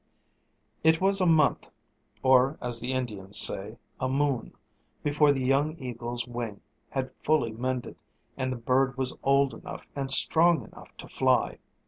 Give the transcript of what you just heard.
It was a month or, as the Indians say, a moon before the young eagle's wing had fully mended and the bird was old enough and strong enough to fly.